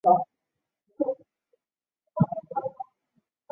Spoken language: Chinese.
疾病造成的眼部问题需额外治疗。